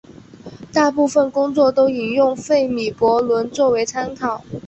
大部分工作都引用费米悖论作为参考。